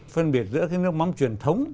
phân biệt giữa cái nước mắm truyền thống